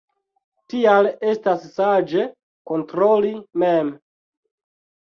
Tial estas saĝe kontroli mem.